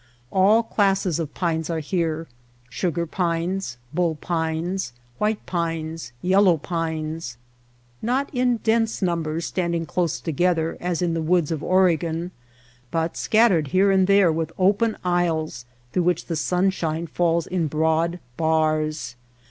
All classes of pines are here — sugar pines, bull pines, white pines, yellow pines — not in dense numbers standing close together as in the woods of Ore gon, but scattered here and there with open aisles through which the sunshine falls in broad bars.